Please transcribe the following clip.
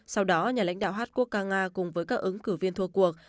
sau đó nhà lãnh đạo hát quốc ca nga cùng với các ứng cử viên thua cuộc